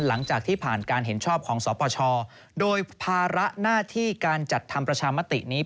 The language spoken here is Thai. หลังจากที่ผ่านการเห็นชอบของสปชโดยภาระหน้าที่การจัดทำประชามตินี้